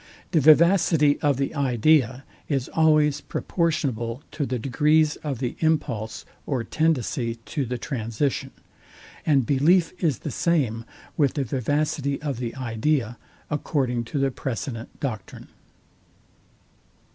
The vivacity of the idea is always proportionable to the degrees of the impulse or tendency to the transition; and belief is the same with the vivacity of the idea, according to the precedent doctrine.